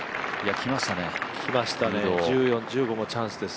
１４、１５もチャンスです。